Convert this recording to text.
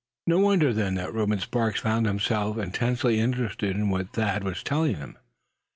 No wonder then that Reuben Sparks found himself intensely interested in what Thad was telling him.